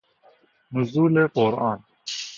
نزول قرآن